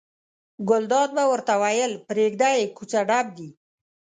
ګلداد به ورته ویل پرېږده یې کوڅه ډب دي.